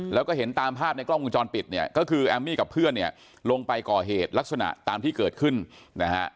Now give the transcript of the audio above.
แล้วก็เห็นตามภาพในกล้องวงจรปิดเนี่ยก็คือแอมมี่กับเพื่อนเนี่ยลงไปก่อเหตุลักษณะตามที่เกิดขึ้นนะฮะ